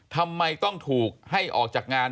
ทำไมต้องถูกให้ออกจากงาน